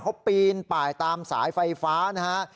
เขาปีนป่ายตามสายไฟฟ้านะฮะ